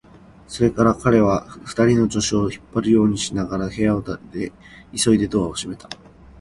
それから彼は、二人の助手を引っ張るようにしながら部屋から出て、急いでドアを閉めた。